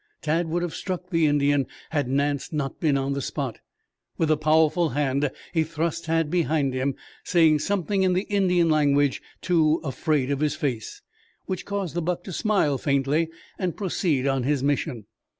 Tad would have struck the Indian had Nance not been on the spot. With a powerful hand he thrust Tad behind him, saying something in the Indian language to Afraid Of His Face, which caused the buck to smile faintly and proceed on his mission.